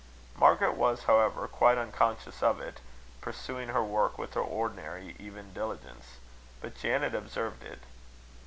Margaret was, however, quite unconscious of it, pursuing her work with her ordinary even diligence. But Janet observed it.